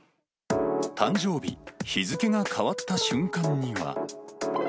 誕生日、日付が変わった瞬間